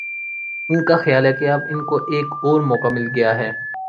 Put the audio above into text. ان کا خیال ہے کہ اب ان کو ایک اور موقع مل گیا ہے۔